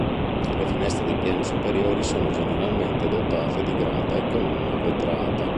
Le finestre dei piani superiori sono generalmente dotate di grata e con una vetrata.